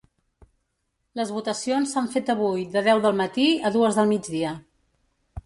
Les votacions s’han fet avui de deu del matí a dues del migdia.